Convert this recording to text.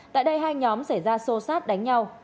tại đây hai nhóm xảy ra sô sát đánh nhau